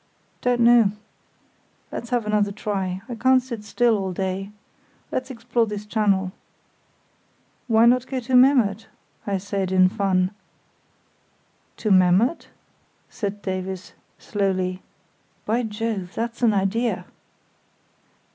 "Don't know. Let's have another try. I can't sit still all day. Let's explore this channel." "Why not go to Memmert?" I said, in fun. "To Memmert?" said Davies, slowly; "by Jove! that's an idea!"